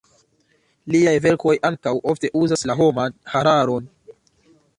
Liaj verkoj ankaŭ ofte uzas la homan hararon.